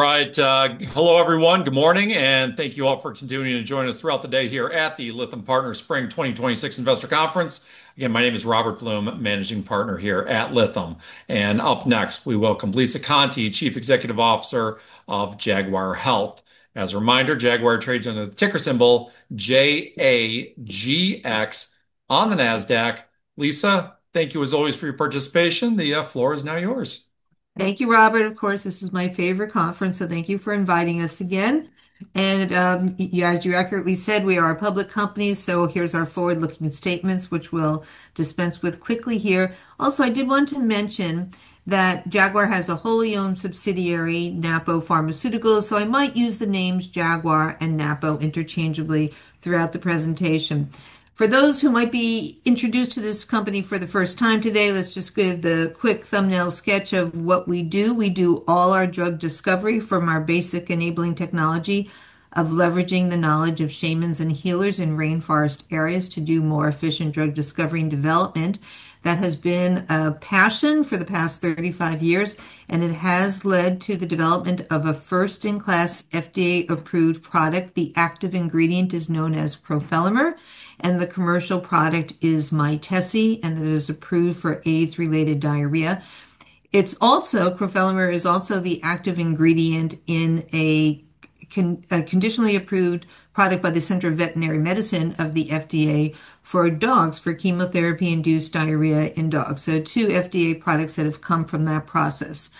All right. Hello everyone. Good morning. Thank you all for continuing to join us throughout the day here at the Lytham Partners Spring 2026 Investor Conference. Again, my name is Robert Blum, Managing Partner here at Lytham. Up next, we welcome Lisa Conte, Chief Executive Officer of Jaguar Health. As a reminder, Jaguar trades under the ticker symbol JAGX on the Nasdaq. Lisa, thank you as always for your participation. The floor is now yours. Thank you, Robert. Of course, this is my favorite conference. Thank you for inviting us again. As you accurately said, we are a public company, here's our forward-looking statements, which we'll dispense with quickly here. I did want to mention that Jaguar has a wholly owned subsidiary, Napo Pharmaceuticals, I might use the names Jaguar and Napo interchangeably throughout the presentation. For those who might be introduced to this company for the first time today, let's just give the quick thumbnail sketch of what we do. We do all our drug discovery from our basic enabling technology of leveraging the knowledge of shamans and healers in rainforest areas to do more efficient drug discovery and development. That has been a passion for the past 35 years, it has led to the development of a first-in-class FDA-approved product. The active ingredient is known as crofelemer, and the commercial product is Mytesi, and it is approved for AIDS-related diarrhea. Crofelemer is also the active ingredient in a conditionally approved product by the Center for Veterinary Medicine of the FDA for dogs, for chemotherapy-induced diarrhea in dogs. Two FDA products that have come from that process.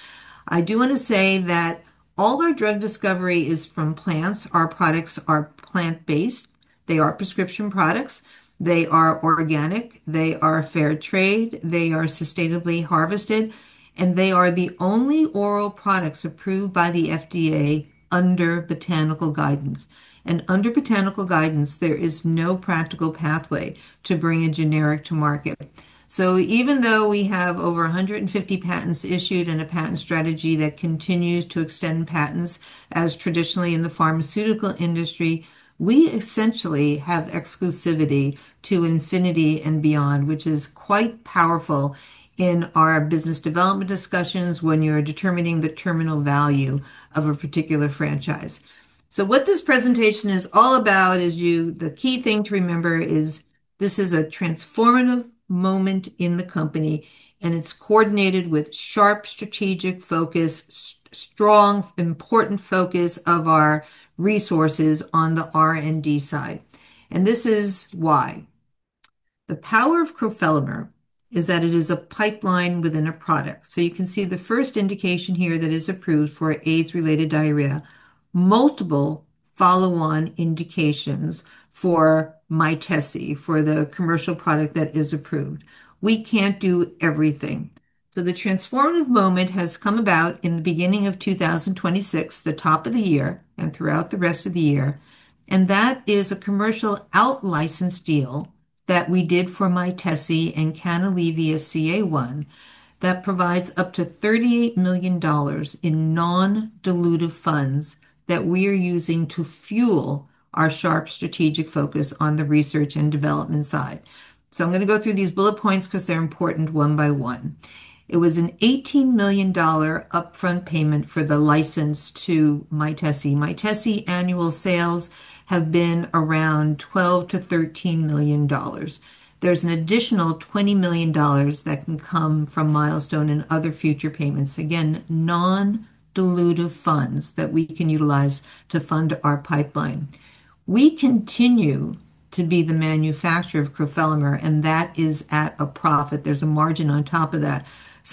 I do want to say that all our drug discovery is from plants. Our products are plant-based. They are prescription products. They are organic. They are fair trade. They are sustainably harvested, and they are the only oral products approved by the FDA under botanical guidance. Under botanical guidance, there is no practical pathway to bring a generic to market. Even though we have over 150 patents issued and a patent strategy that continues to extend patents as traditionally in the pharmaceutical industry, we essentially have exclusivity to infinity and beyond, which is quite powerful in our business development discussions when you're determining the terminal value of a particular franchise. What this presentation is all about is, the key thing to remember is this is a transformative moment in the company, and it's coordinated with sharp strategic focus, strong, important focus of our resources on the R&D side. This is why. The power of crofelemer is that it is a pipeline within a product. You can see the first indication here that is approved for AIDS-related diarrhea. Multiple follow-on indications for Mytesi, for the commercial product that is approved. We can't do everything. The transformative moment has come about in the beginning of 2026, the top of the year, and throughout the rest of the year. That is a commercial out-license deal that we did for Mytesi and Canalevia-CA1 that provides up to $38 million in non-dilutive funds that we are using to fuel our sharp strategic focus on the research and development side. I'm going to go through these bullet points because they're important one by one. It was an $18 million upfront payment for the license to Mytesi. Mytesi annual sales have been around $12 million-$13 million. There's an additional $20 million that can come from milestone and other future payments. Again, non-dilutive funds that we can utilize to fund our pipeline. We continue to be the manufacturer of crofelemer, and that is at a profit. There's a margin on top of that.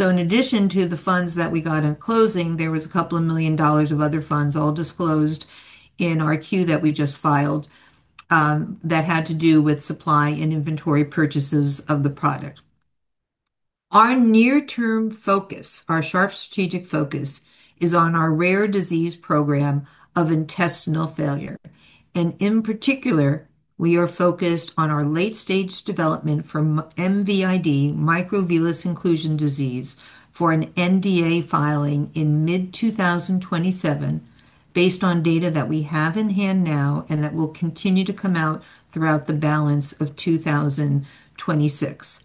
In addition to the funds that we got on closing, there was a couple of million dollars of other funds, all disclosed in our Q that we just filed, that had to do with supply and inventory purchases of the product. Our near-term focus, our sharp strategic focus, is on our rare disease program of intestinal failure. In particular, we are focused on our late-stage development from MVID, Microvillus Inclusion Disease, for an NDA filing in mid-2027 based on data that we have in hand now and that will continue to come out throughout the balance of 2026.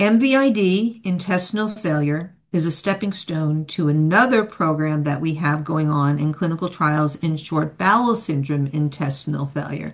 MVID intestinal failure is a stepping stone to another program that we have going on in clinical trials in short bowel syndrome intestinal failure.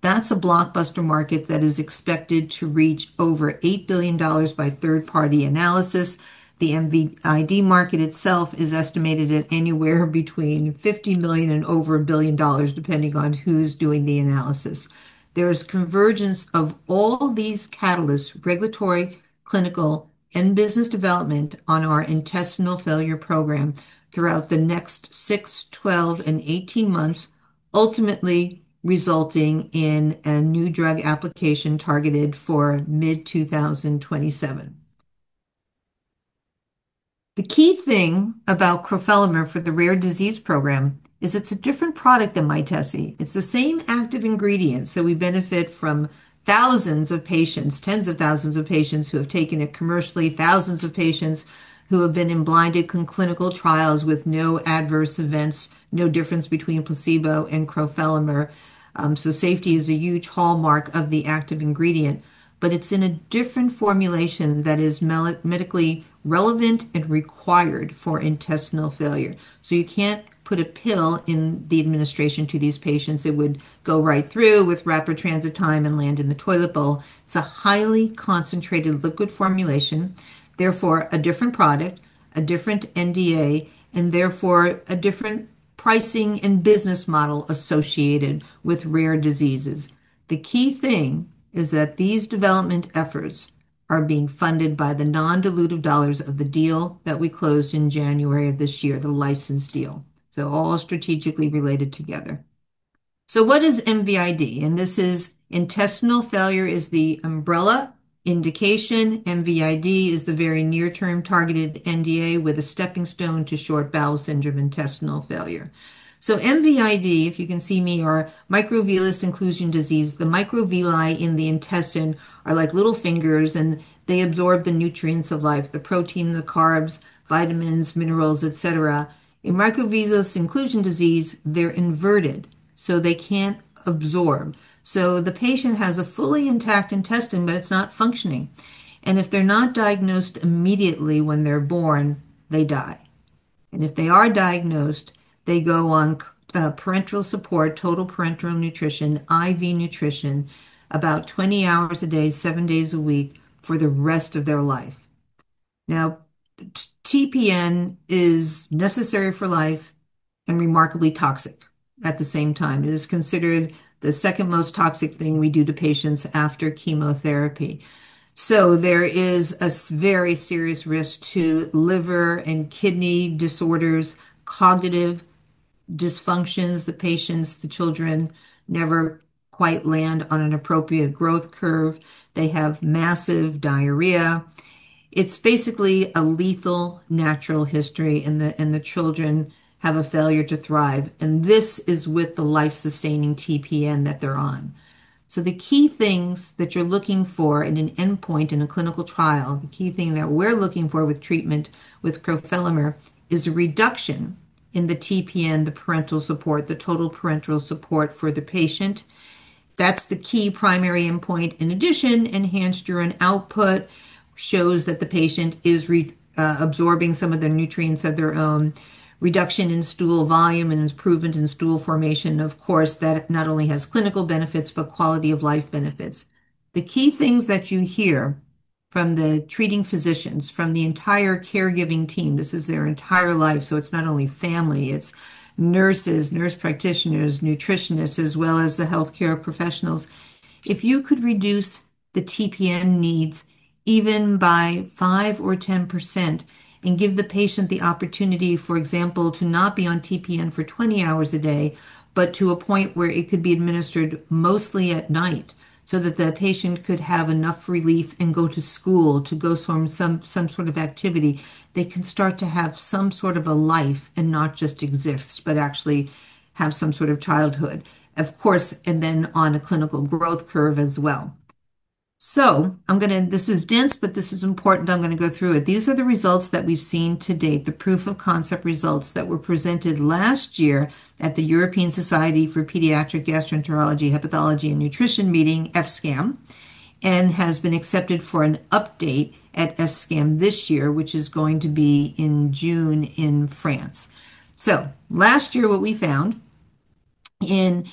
That's a blockbuster market that is expected to reach over $8 billion by third-party analysis. The MVID market itself is estimated at anywhere between $50 million and over $1 billion, depending on who's doing the analysis. There is convergence of all these catalysts, regulatory, clinical, and business development on our intestinal failure program throughout the next six, 12, and 18 months, ultimately resulting in a new drug application targeted for mid-2027. The key thing about crofelemer for the rare disease program is it's a different product than Mytesi. It's the same active ingredient. We benefit from thousands of patients, tens of thousands of patients who have taken it commercially, thousands of patients who have been in blinded clinical trials with no adverse events, no difference between placebo and crofelemer. Safety is a huge hallmark of the active ingredient, but it's in a different formulation that is medically relevant and required for intestinal failure. You can't put a pill in the administration to these patients. It would go right through with rapid transit time and land in the toilet bowl. It's a highly concentrated liquid formulation, therefore, a different product, a different NDA, and therefore, a different pricing and business model associated with rare diseases. The key thing is that these development efforts are being funded by the non-dilutive dollars of the deal that we closed in January of this year, the license deal. All strategically related together. What is MVID? This is intestinal failure is the umbrella indication. MVID is the very near-term targeted NDA with a stepping stone to short bowel syndrome intestinal failure. MVID, if you can see me, or Microvillus Inclusion Disease. The microvilli in the intestine are like little fingers, and they absorb the nutrients of life, the protein, the carbs, vitamins, minerals, et cetera. In microvillus inclusion disease, they're inverted, so they can't absorb. The patient has a fully intact intestine, but it's not functioning. If they're not diagnosed immediately when they're born, they die. If they are diagnosed, they go on parenteral support, total parenteral nutrition, IV nutrition, about 20 hours a day, seven days a week, for the rest of their life. Now, TPN is necessary for life and remarkably toxic at the same time. It is considered the second most toxic thing we do to patients after chemotherapy. There is a very serious risk to liver and kidney disorders, cognitive dysfunctions. The patients, the children, never quite land on an appropriate growth curve. They have massive diarrhea. It's basically a lethal natural history, and the children have a failure to thrive, and this is with the life-sustaining TPN that they're on. The key things that you're looking for in an endpoint in a clinical trial, the key thing that we're looking for with treatment with crofelemer, is a reduction in the TPN, the parenteral support, the total parenteral support for the patient. That's the key primary endpoint. In addition, enhanced urine output shows that the patient is absorbing some of the nutrients of their own. Reduction in stool volume and improvement in stool formation, of course, that not only has clinical benefits, but quality-of-life benefits. The key things that you hear from the treating physicians, from the entire caregiving team, this is their entire life, so it's not only family, it's nurses, nurse practitioners, nutritionists, as well as the healthcare professionals. If you could reduce the TPN needs even by 5% or 10% and give the patient the opportunity, for example, to not be on TPN for 20 hours a day, but to a point where it could be administered mostly at night, so that the patient could have enough relief and go to school, to go swim, some sort of activity. They can start to have some sort of a life and not just exist, but actually have some sort of childhood. Of course, on a clinical growth curve as well. This is dense, but this is important. I'm going to go through it. These are the results that we've seen to date, the proof of concept results that were presented last year at the European Society for Paediatric Gastroenterology, Hepatology and Nutrition meeting, ESPGHAN, and has been accepted for an update at ESPGHAN this year, which is going to be in June in France. Last year, what we found in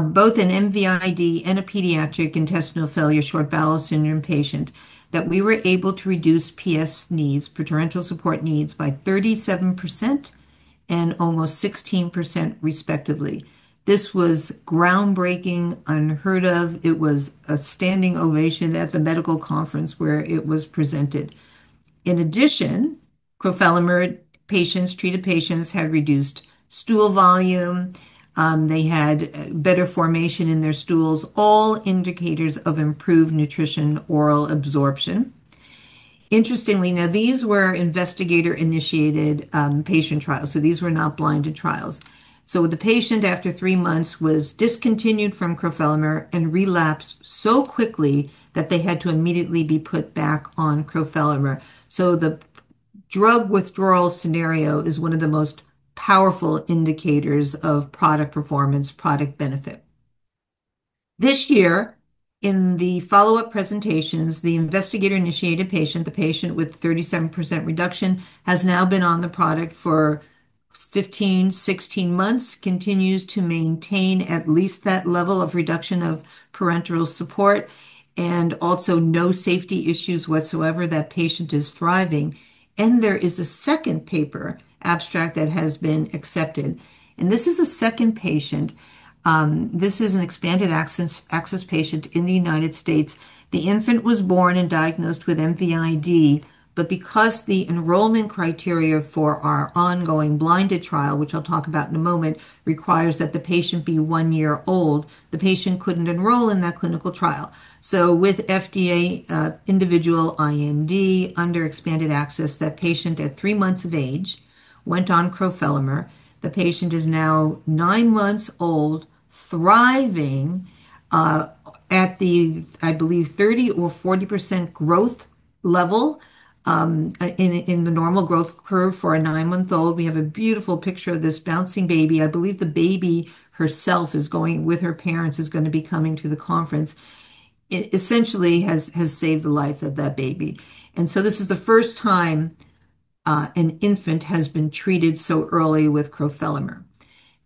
both an MVID and a paediatric intestinal failure short bowel syndrome patient, that we were able to reduce PS needs, parenteral support needs, by 37% and almost 16%, respectively. This was groundbreaking, unheard of. It was a standing ovation at the medical conference where it was presented. In addition, crofelemer treated patients had reduced stool volume. They had better formation in their stools. All indicators of improved nutrition oral absorption. Interestingly, now, these were investigator-initiated patient trials, these were not blinded trials. The patient, after three months, was discontinued from crofelemer and relapsed so quickly that they had to immediately be put back on crofelemer. The drug withdrawal scenario is one of the most powerful indicators of product performance, product benefit. This year, in the follow-up presentations, the investigator-initiated patient, the patient with 37% reduction, has now been on the product for 15, 16 months, continues to maintain at least that level of reduction of parenteral support, and also no safety issues whatsoever. That patient is thriving. There is a second paper abstract that has been accepted, and this is a second patient. This is an expanded access patient in the United States. The infant was born and diagnosed with MVID. Because the enrollment criteria for our ongoing blinded trial, which I'll talk about in a moment, requires that the patient be one year old, the patient couldn't enroll in that clinical trial. With FDA individual IND under expanded access, that patient, at three months of age, went on crofelemer. The patient is now nine months old, thriving. At the, I believe 30% or 40% growth level in the normal growth curve for a nine-month-old. We have a beautiful picture of this bouncing baby. I believe the baby herself, with her parents, is going to be coming to the conference. It essentially has saved the life of that baby. This is the first time an infant has been treated so early with crofelemer.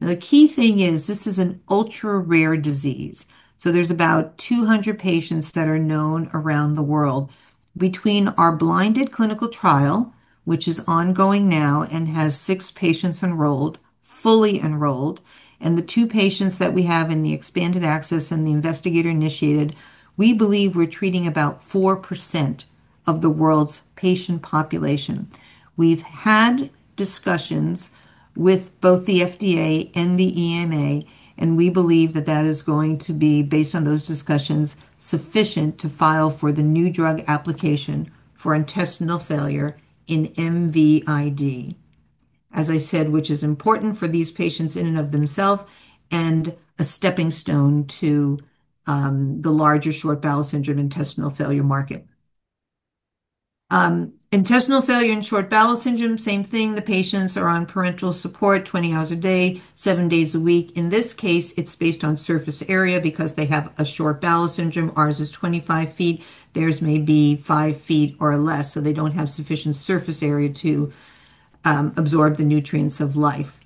The key thing is this is an ultra-rare disease. There's about 200 patients that are known around the world. Between our blinded clinical trial, which is ongoing now and has six patients enrolled, fully enrolled, The two patients that we have in the expanded access and the investigator-initiated, we believe we're treating about 4% of the world's patient population. We've had discussions with both the FDA and the EMA. We believe that that is going to be, based on those discussions, sufficient to file for the new drug application for intestinal failure in MVID. As I said, which is important for these patients in and of themselves, and a stepping stone to the larger short bowel syndrome intestinal failure market. Intestinal failure and short bowel syndrome, same thing. The patients are on parenteral support 20 hours a day, seven days a week. In this case, it's based on surface area because they have a short bowel syndrome. Ours is 25 ft. Theirs may be 5 ft or less, so they don't have sufficient surface area to absorb the nutrients of life.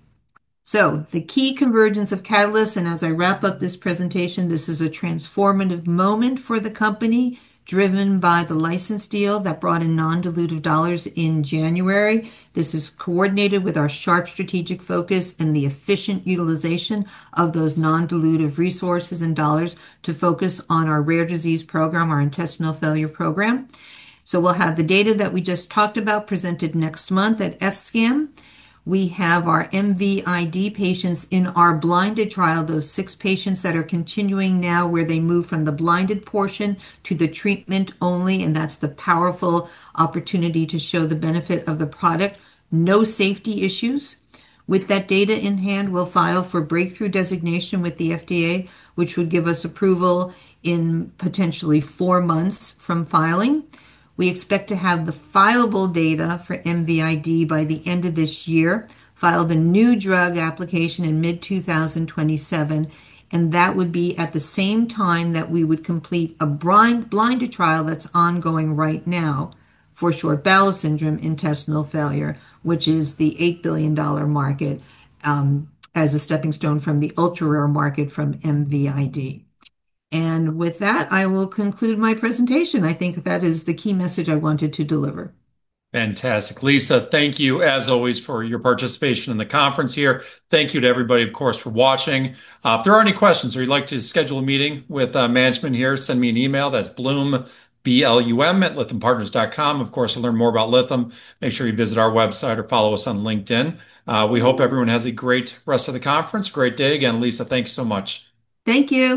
The key convergence of catalysts, and as I wrap up this presentation, this is a transformative moment for the company, driven by the license deal that brought in non-dilutive dollars in January. This is coordinated with our sharp strategic focus and the efficient utilization of those non-dilutive resources and dollars to focus on our rare disease program, our intestinal failure program. We'll have the data that we just talked about presented next month at ESPGHAN. We have our MVID patients in our blinded trial. Those six patients that are continuing now where they move from the blinded portion to the treatment only, and that's the powerful opportunity to show the benefit of the product. No safety issues. With that data in hand, we'll file for Breakthrough Therapy designation with the FDA, which would give us approval in potentially four months from filing. We expect to have the fileable data for MVID by the end of this year, file the new drug application in mid-2027, that would be at the same time that we would complete a blinded trial that's ongoing right now for short bowel syndrome intestinal failure, which is the $8 billion market, as a stepping stone from the ultra-rare market from MVID. With that, I will conclude my presentation. I think that is the key message I wanted to deliver. Fantastic. Lisa Conte, thank you as always for your participation in the conference here. Thank you to everybody, of course, for watching. If there are any questions or you'd like to schedule a meeting with management here, send me an email. That's B-L-U-M, blum@lythampartners.com. Of course, to learn more about Lytham, make sure you visit our website or follow us on LinkedIn. We hope everyone has a great rest of the conference. Great day. Again, Lisa, thanks so much. Thank you.